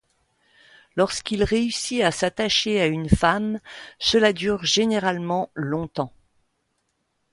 Lorsqu'il réussit à s'attacher à une femme, cela dure généralement longtemps.